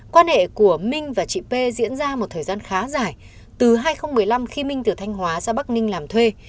quan hệ của minh và chị p diễn ra một thời gian khá dài từ hai nghìn một mươi năm khi minh từ thanh hóa ra bắc ninh làm thuê